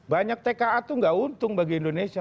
banyak tka itu nggak untung bagi indonesia